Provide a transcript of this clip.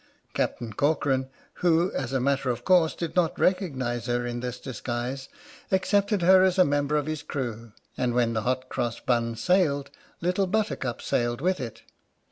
Captain Corcoran, who, as a matter of course, did not re cognize her in this disguise, accepted her as a mem ber of his crew, and when the Hot Cross Btm sailed Little Buttercup sailed with it.